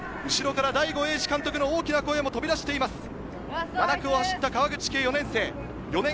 後ろから大後栄治監督の大きな声も飛び出しています。